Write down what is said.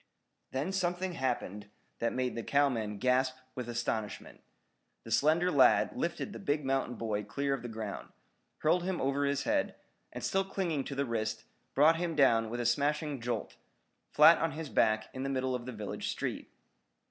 Then something happened that made the cowmen gasp with astonishment. The slender lad lifted the big mountain boy clear of the ground, hurled him over his head, and still clinging to the wrist, brought him down with a smashing jolt, flat on his back in the middle of the village street.